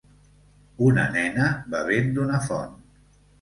Una nena bevent d'una font.